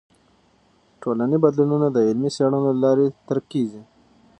ټولنې بدلونونه د علمي څیړنو له لارې درک کیږي.